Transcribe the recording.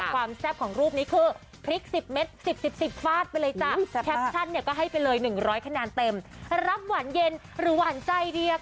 ความแซ่บของรูปนี้คือพริก๑๐เม็ด๑๐๑๐๑๐ฟาดไปเลยจ้ะ